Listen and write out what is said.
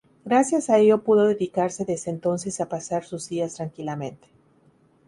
Gracias a ello pudo dedicarse desde entonces a pasar sus días tranquilamente.